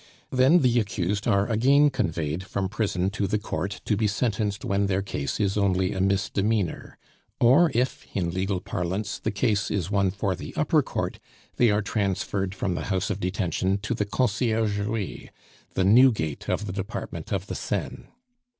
Then the accused are again conveyed from prison to the Court to be sentenced when their case is only a misdemeanor; or if, in legal parlance, the case is one for the Upper Court, they are transferred from the house of detention to the Conciergerie, the "Newgate" of the Department of the Seine.